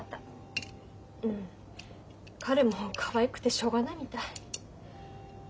うん彼もかわいくてしょうがないみたい。